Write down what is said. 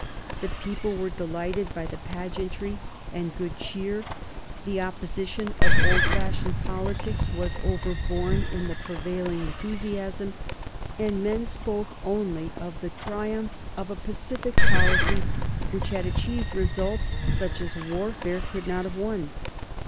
The people were delighted by pageantry and good cheer; the opposition of old fashioned politicians was overborne in the prevailing enthusiasm; and men spoke only of the triumph of a pacific policy which had achieved results such as warfare could not have won.